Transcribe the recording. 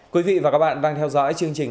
quý vị và các bạn đang theo dõi chương trình